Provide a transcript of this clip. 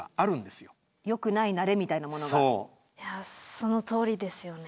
そのとおりですよね。